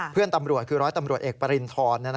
เพื่อนตำรวจคือร้อยตำรวจเอกปริณฑร